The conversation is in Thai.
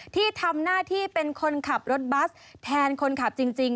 ที่ทำหน้าที่เป็นคนขับรถบัสแทนคนขับจริง